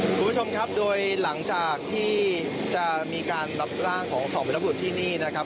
คุณผู้ชมครับโดยหลังจากที่จะมีการรับร่างของสองบรรทบุตรที่นี่นะครับ